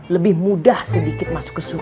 lebih mudah sedikit masuk ke suhu